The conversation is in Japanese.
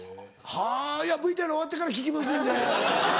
はぁいやＶＴＲ終わってから聞きますんで。